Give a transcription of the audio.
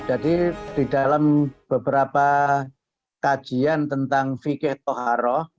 jadi di dalam beberapa kajian tentang fikir toharoh